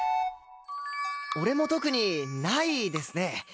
俺も特にないですね。